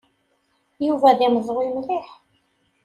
Yuba d imeẓwi mliḥ.